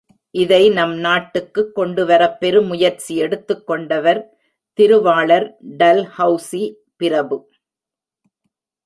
இதை நம் நாட்டுக்குக் கொண்டுவரப் பெருமுயற்சி எடுத்துக்கொண்டவர் திருவாளர் டல்ஹௌசி பிரபு.